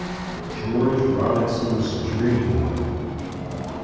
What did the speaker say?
GEORGE ROBINSON'S DREAM.